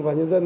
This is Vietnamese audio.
và nhân dân